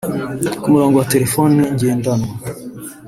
Ku murongo wa Telefoni ngendanwa